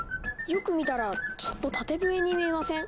よく見たらちょっと縦笛に見えません？